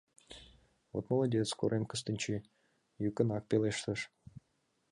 — Вот молодец, Корем Кыстинчи! — йӱкынак пелештыш.